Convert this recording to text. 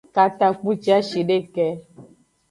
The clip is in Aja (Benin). Katakpuciashideke.